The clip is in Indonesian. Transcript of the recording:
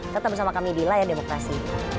tetap bersama kami di layar demokrasi